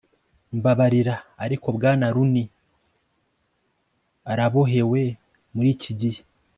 mbabarira, ariko bwana rooney arabohewe muri iki gihe